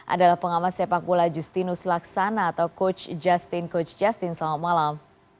adalah pengamat sepak bola justinus laksana atau coach justin coach justin selamat malam